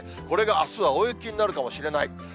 これが、あすは大雪になるかもしれない。